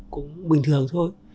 cũng bình thường thôi